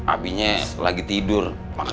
abinya lagi tidur